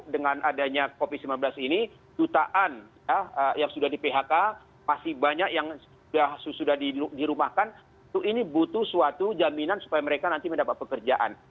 dengan adanya covid sembilan belas ini jutaan yang sudah di phk masih banyak yang sudah dirumahkan ini butuh suatu jaminan supaya mereka nanti mendapat pekerjaan